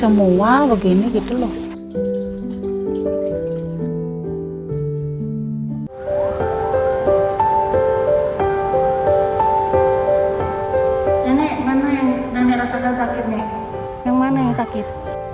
dan mana yang rasakan sakit nih yang mana yang sakit